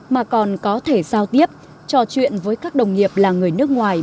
mà còn có thể giao tiếp trò chuyện với các đồng nghiệp là người nước ngoài